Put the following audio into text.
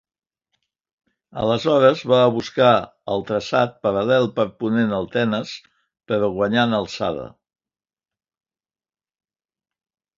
Aleshores va a buscar el traçat paral·lel per ponent al Tenes, però guanyant alçada.